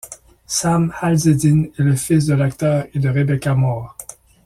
Sam Hazeldine est le fils de l'acteur et de Rebecca Moore.